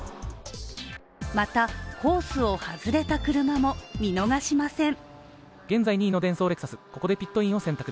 また、コースを外れた車も見逃しません。